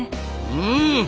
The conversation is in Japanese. うん。